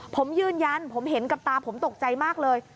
ผมยืนยันผมเห็นกับตาผมตกใจมากเลย